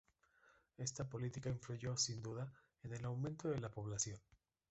Esta política influyó, sin duda, en el aumento de la población.